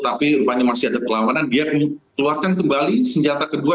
tapi rupanya masih ada perlawanan dia keluarkan kembali senjata kedua